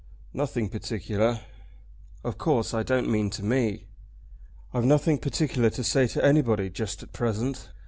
"Nothing particular." "Of course I don't mean to me." "I've nothing particular to say to anybody just at present.